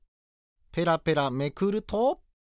ペラペラめくると。